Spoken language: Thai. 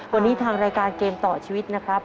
วันนี้ทางรายการเกมต่อชีวิตนะครับ